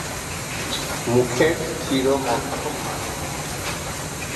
মুখের চির মধ্যম মানের।